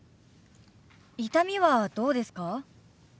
痛みはどうですか？